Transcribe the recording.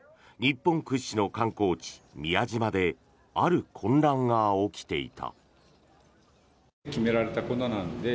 日本屈指の観光地、宮島である混乱が起きていた。